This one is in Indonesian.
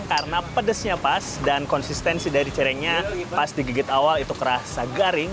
karena pedesnya pas dan konsistensi dari cirengnya pas digigit awal itu kerasa garing